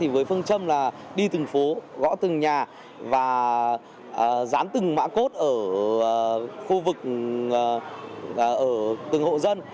với phương châm là đi từng phố gõ từng nhà và dán từng mã cốt ở khu vực ở từng hộ dân